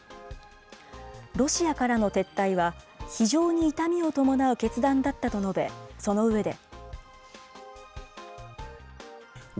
ロシアからの撤退は、非常に痛みを伴う決断だったと述べ、その上で。